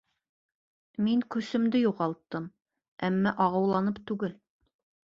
— Мин көсөмдө юғалттым, әммә ағыуланып түгел.